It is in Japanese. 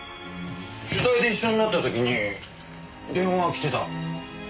取材で一緒になった時に電話が来てた。